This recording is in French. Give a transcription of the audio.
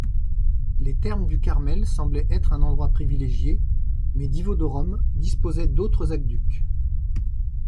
Les thermes du Carmel semblent être un endroit privilégié, mais Divodurum disposait d’autres aqueducs.